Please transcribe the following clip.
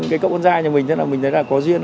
cái cậu con trai nhà mình tên là mình thấy là có duyên